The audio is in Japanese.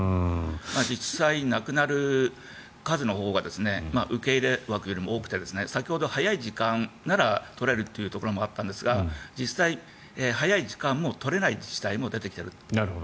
実際亡くなる数のほうが受け入れ枠よりも多くて先ほど早い時間なら取れるというところもあったんですが実際、早い時間も取れない自治体も出てきています。